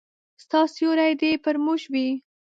ستا سیوری دي پر موږ وي